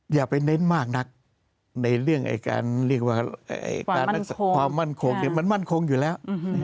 อย่าไปเน้นมากนักในเรื่องการเรียกว่าการรักษาความมั่นคงมันมั่นคงอยู่แล้ว